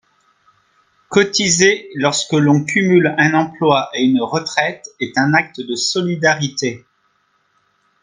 Cotiser lorsque l’on cumule un emploi et une retraite est un acte de solidarité.